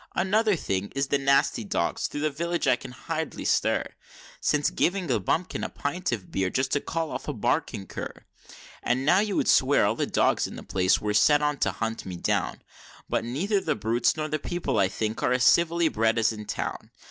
Another thing is the nasty dogs thro' the village I hardly can stir Since giving a bumpkin a pint of beer just to call off a barking cur; And now you would swear all the dogs in the place were set on to hunt me down, But neither the brutes nor the people I think are as civilly bred as in town.